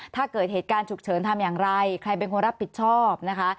ถ้าเกิดเหตุการณ์ฉุกเฉินทำอย่างไรใครเป็นคนรับผิดชอบนะคะ